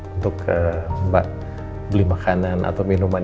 untuk beli makanan atau minuman